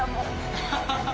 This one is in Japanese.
アハハハ！